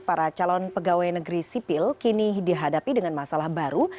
para calon pegawai negeri sipil kini dihadapi dengan masalah baru